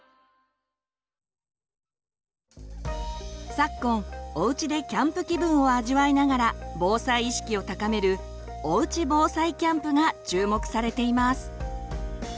昨今おうちでキャンプ気分を味わいながら防災意識を高める「おうち防災キャンプ」が注目されています。